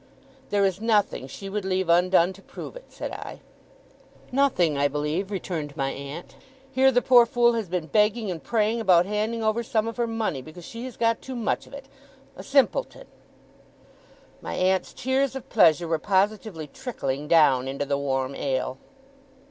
'There is nothing she would leave undone to prove it,' said I. 'Nothing, I believe,' returned my aunt. 'Here, the poor fool has been begging and praying about handing over some of her money because she has got too much of it. A simpleton!' My aunt's tears of pleasure were positively trickling down into the warm ale.